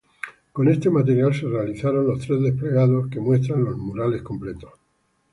Con este material, se realizaron los tres desplegados que muestran los murales completos.